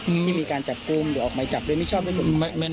อืมที่มีการจับกลุ้มหรือออกมาจับด้วยไม่ชอบดำเนี้ย